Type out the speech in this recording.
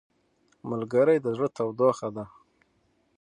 ملګری د زړه تودوخه ده